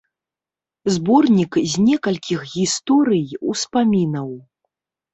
Зборнік з некалькіх гісторый-успамінаў.